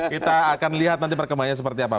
kita akan lihat nanti perkembangannya seperti apa